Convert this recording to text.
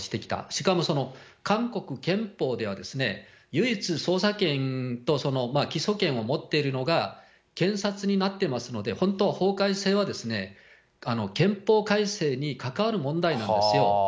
しかもその韓国憲法では、唯一捜査権と、起訴権を持っているのが、検察になってますので、本当、法改正は憲法改正に関わる問題なんですよ。